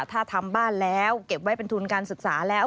ถ้าทำบ้านแล้วเก็บไว้เป็นทุนการศึกษาแล้ว